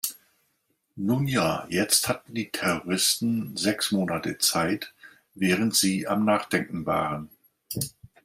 Nun ja, jetzt hatten die Terroristen sechs Monate Zeit, während Sie am Nachdenken waren.